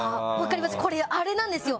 これ、あれなんですよ。